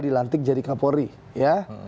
dilantik jadi kapolri ya